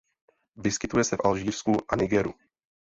Vyskytuje se v Alžírsku a Nigeru.